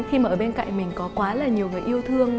khi mà ở bên cạnh mình có quá là nhiều người yêu thương